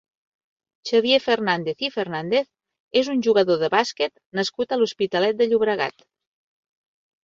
Xavier Fernàndez i Fernàndez és un jugador de bàsquet nascut a l'Hospitalet de Llobregat.